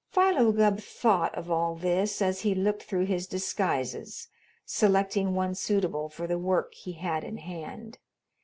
Philo Gubb thought of all this as he looked through his disguises, selecting one suitable for the work he had in hand.